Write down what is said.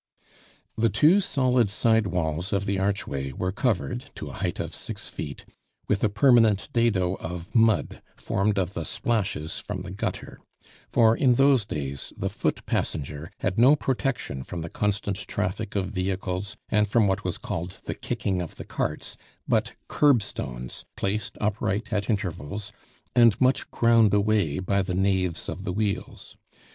The two solid side walls of the archway were covered, to a height of six feet, with a permanent dado of mud formed of the splashes from the gutter; for, in those days, the foot passenger had no protection from the constant traffic of vehicles and from what was called the kicking of the carts, but curbstones placed upright at intervals, and much ground away by the naves of the wheels.